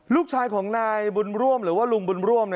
ลูกชายของนายบุญร่วมหรือว่าลุงบุญร่วม